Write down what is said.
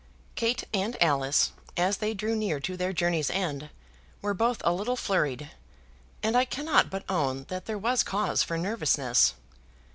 Kate and Alice, as they drew near to their journey's end, were both a little flurried, and I cannot but own that there was cause for nervousness.